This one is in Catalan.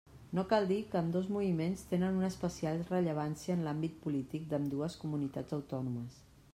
No cal dir que ambdós moviments tenen una especial rellevància en l'àmbit polític d'ambdues comunitats autònomes.